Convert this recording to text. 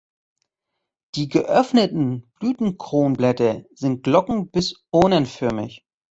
Die geöffneten Blütenkronblätter sind glocken- bis urnenförmig.